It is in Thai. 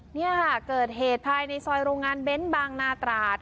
นี่ค่ะเกิดเหตุภายในซอยโรงงานเบ้นบางนาตราด